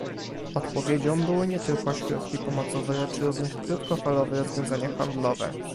Odpowiedzią były nie tylko środki pomocowe, lecz również krótkofalowe rozwiązanie handlowe